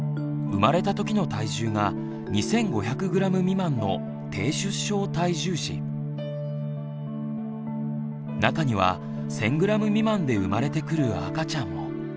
生まれたときの体重が２，５００ｇ未満の中には１，０００ｇ未満で生まれてくる赤ちゃんも。